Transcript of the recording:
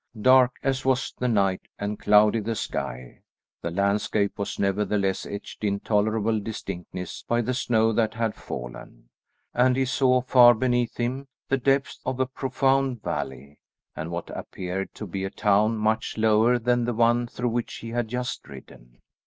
Dark as was the night and cloudy the sky, the landscape was nevertheless etched into tolerable distinctness by the snow that had fallen, and he saw far beneath him the depths of a profound valley, and what appeared to be a town much lower than the one through which he had just ridden.